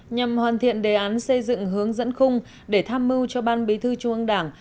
nhằm hoàn thiện đề án xây dựng hướng dẫn khung để tham mưu cho ban bí thư trung ương đảng